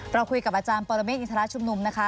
เราคุยกับอาจารย์ปรเมฆอินทรชุมนุมนะคะ